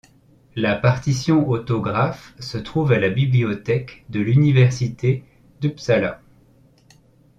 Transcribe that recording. La partition autographe se trouve à la Bibliothèque de l'Université d'Uppsala.